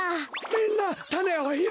みんなたねをひろうんだ！